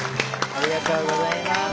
ありがとうございます。